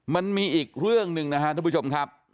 มันมีอีกเรื่องหนึ่งนะครับทุกผู้ชมครับ